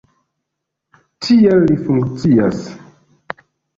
Tiel li funkcias.